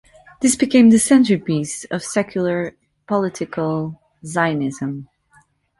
This became the centerpiece of secular political Zionism.